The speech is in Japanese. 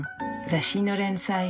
雑誌の連載